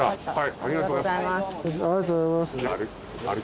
ありがとうございます。